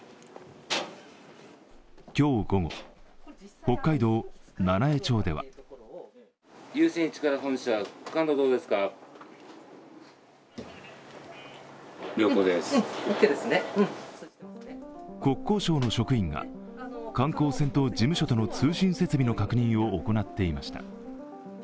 今日午後、北海道七飯町では国交省の職員が観光船と事務所との通信設備の確認を行っていました。